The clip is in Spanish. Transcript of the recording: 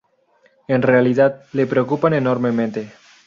En realidad, le preocupan enormemente.